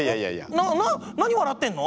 な何笑ってんの？